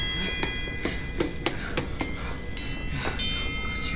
おかしい